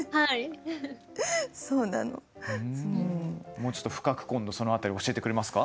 もうちょっと深く今度その辺り教えてくれますか？